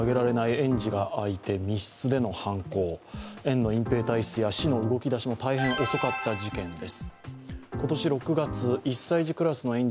園の隠ぺい体質や、市の動き出しも大変遅かった事件です。